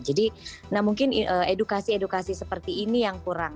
jadi mungkin edukasi edukasi seperti ini yang kurang